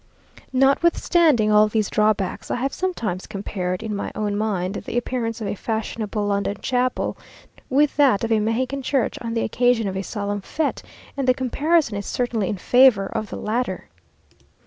Notwithstanding all these drawbacks, I have sometimes compared, in my own mind, the appearance of a fashionable London chapel with that of a Mexican church, on the occasion of a solemn fête, and the comparison is certainly in favour of the latter.